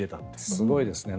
すごいですよね。